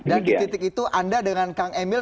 di titik itu anda dengan kang emil